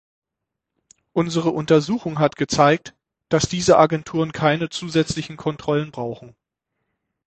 Unsere Untersuchung hat gezeigt, dass diese Agenturen keine zusätzlichen Kontrollen brauchen.